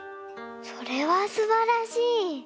それはすばらしい。